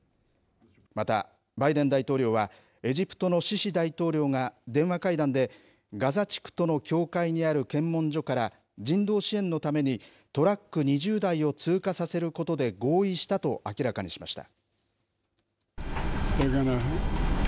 また、バイデン大統領はエジプトのシシ大統領が電話会談でガザ地区との境界にある検問所から人道支援のためにトラック２０台を通過させることで合意したと明らかにしました。